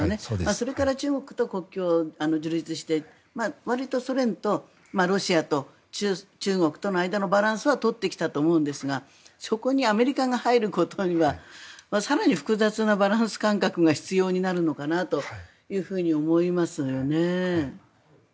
それから中国と国交を樹立してわりとソ連とロシアと中国との間のバランスは取ってきたと思うんですがそこにアメリカが入ることには更に複雑なバランス感覚が必要になるのかなと思いますよね。